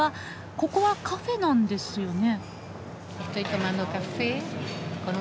ここはカフェなんですよね？